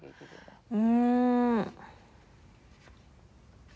うん。